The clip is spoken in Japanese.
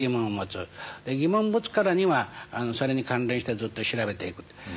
疑問を持つからにはそれに関連してずっと調べていく。